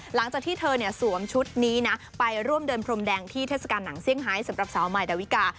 หลังจากที่เธอสวมชุดนี้นะไปร่วมเดินพรมแดงที่เทศกาลหนังเซี่ยงไฮท์สำหรับสาวใหม่ดาวิกา